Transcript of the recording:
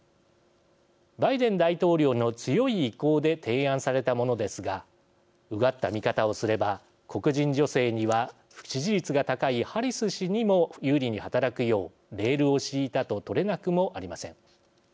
バイデン大統領の強い意向で提案されたものですがうがった見方をすれば黒人女性には支持率が高いハリス氏にも有利に働くようレールを敷いたと取れなくもありません。